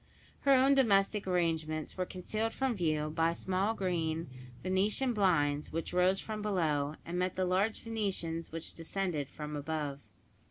Her own domestic arrangements were concealed from view by small green venetian blinds, which rose from below, and met the large venetians which descended from above.